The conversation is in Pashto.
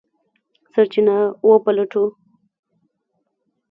سرچینه وپلټو.